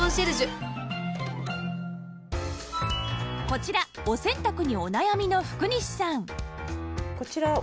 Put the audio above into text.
こちらお洗濯にお悩みの福西さん